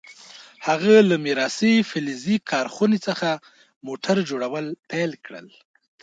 هغه له میراثي فلزي کارخونې څخه موټر جوړول پیل کړل.